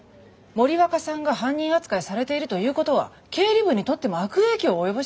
森若さんが犯人扱いされているということは経理部にとっても悪影響を及ぼします。